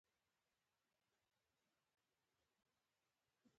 له موږ سره وغږېد